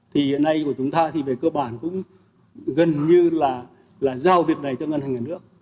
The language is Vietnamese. thì hiện nay của chúng ta thì về cơ bản cũng gần như là giao việc này cho ngân hàng nhà nước